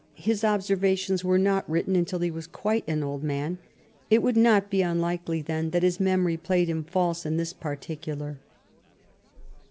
His observations were not written until he was quite an old man. It would not be unlikely, then, that his memory played him false in this particular.